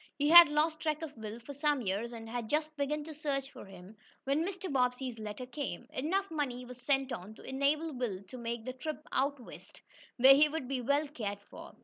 He had lost track of Will for some years and had just begun a search for him, when Mr. Bobbsey's letter came. Enough money was sent on to enable Will to make the trip out west, where he would be well cared for.